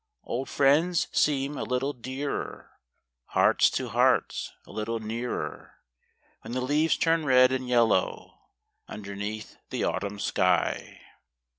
d Old 'friends seem a little dearer; Hearts to Hearts a little nearer, ( ADhen the leases turn red and Ljello^ Underneath the Autumn shij.